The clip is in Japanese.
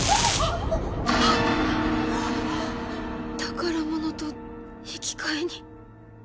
宝物と引き換えに。